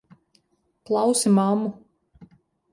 Klausi mammu!